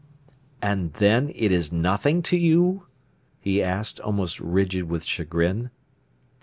"And then is it nothing to you?" he asked, almost rigid with chagrin.